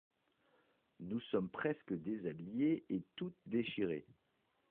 Nous sommes presque déshabillées et toutes déchirées.